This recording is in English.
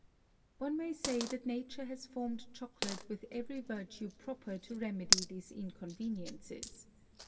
One may say that Nature has formed Chocolate with every Vertue proper to remedy these Inconveniences.